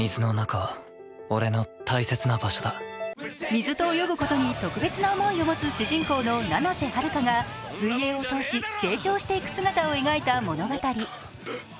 水と泳ぐことに特別な思いを持つ主人公の七瀬遙が水泳を通し成長していく姿を描いた物語。